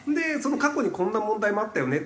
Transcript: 過去にこんな問題もあったよね